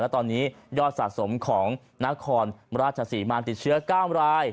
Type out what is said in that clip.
และตอนนี้ยอดสะสมของนครราชศรีมาติดเชื้อ๙ราย